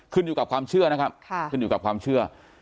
ขึ้นอยู่กับความเชื่อนะครับขึ้นอยู่กับความเชื่อ